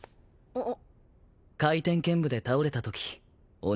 ・あっ。